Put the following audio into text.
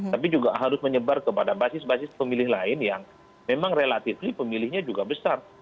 tapi juga harus menyebar kepada basis basis pemilih lain yang memang relatifly pemilihnya juga besar